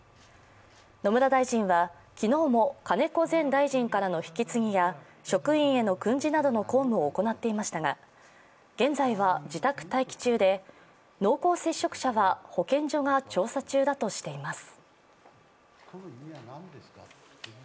野村大臣は昨日も金子前大臣からの引き継ぎや職員への訓示などの公務を行っていましたが、現在は自宅待機中で、濃厚接触者は保健所が調査中だとしています。